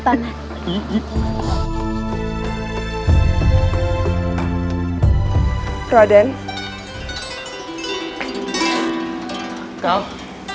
kenapa kau datang kesini